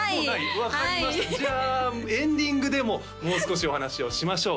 分かりましたじゃあエンディングでももう少しお話をしましょう